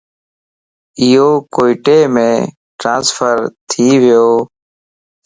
ايو ڪوئيٽيم ٽرانسفرٿي ويو